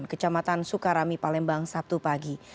kecamatan sukarami palembang sabtu pagi